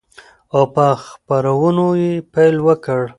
او په خپرونو يې پيل وكړ،